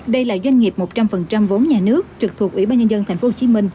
đây là doanh nghiệp một trăm linh vốn nhà nước trực thuộc ủy ban nhân dân tp hcm